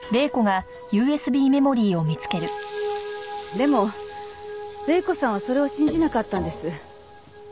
でも礼子さんはそれを信じなかったんです。